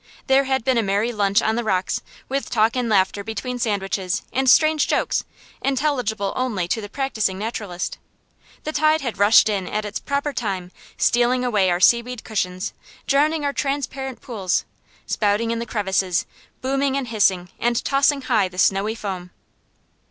There had been a merry luncheon on the rocks, with talk and laughter between sandwiches, and strange jokes, intelligible only to the practising naturalist. The tide had rushed in at its proper time, stealing away our seaweed cushions, drowning our transparent pools, spouting in the crevices, booming and hissing, and tossing high the snowy foam.